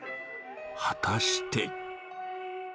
果たして。